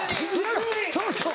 そうそう。